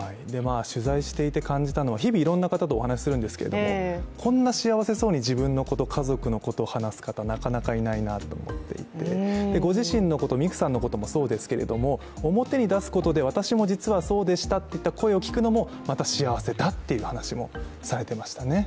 取材していて感じたのは日々いろんな方とお話しするんですけどこんな幸せそうに自分のこと家族のことを話す方なかなかいないなと思ってご自身のことミクさんのこともそうですけど表に出すことで私も実はそうでしたといった声を聞くのもまた幸せだというお話もされていましたね。